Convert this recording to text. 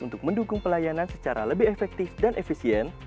untuk mendukung pelayanan secara lebih efektif dan efisien